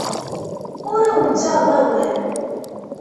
Ur awent-ttaɣeɣ awal.